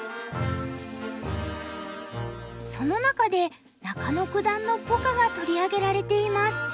その中で中野九段のポカが取り上げられています。